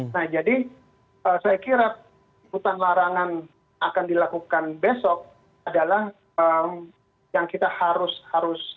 nah jadi saya kira hutan larangan akan dilakukan besok adalah yang kita harus